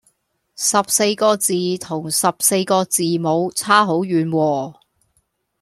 十四個字同十四個字母差好遠喎